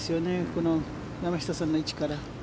この山下さんの位置から。